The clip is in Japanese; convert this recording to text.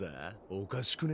おかしくね？